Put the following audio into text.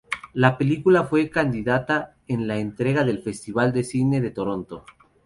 La película fue candidata en la entrega del Festival de cine de Toronto.